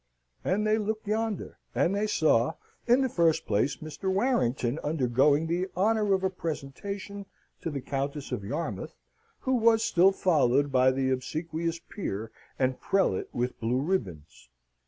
And they looked yonder. And they saw, in the first place, Mr. Warrington undergoing the honour of a presentation to the Countess of Yarmouth, who was still followed by the obsequious peer and prelate with blue ribands.